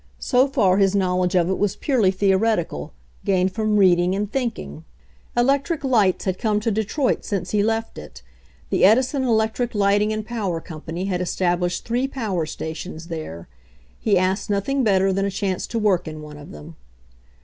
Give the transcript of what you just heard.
So far his knowledge of it was purely theoretical, gained from reading and thinking. Electric 66 HENRY FORD'S OWN STORY lights had come to Detroit since he left it; the Edison Electric Lighting and Power Company had established three power stations there. He asked nothing better than a chance to work in one of them.